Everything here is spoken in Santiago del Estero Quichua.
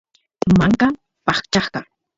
manka paqchasqa